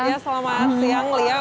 ya selamat siang lia